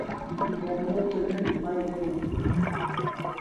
Ярлы көнөн бай белмәҫ